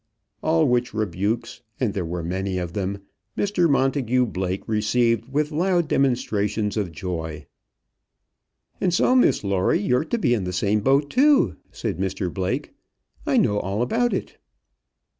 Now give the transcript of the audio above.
All which rebukes and there were many of them Mr Montagu Blake received with loud demonstrations of joy. "And so, Miss Lawrie, you're to be in the same boat too," said Mr Blake. "I know all about it."